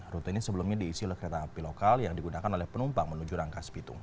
rute ini sebelumnya diisi oleh kereta api lokal yang digunakan oleh penumpang menuju rangkas bitung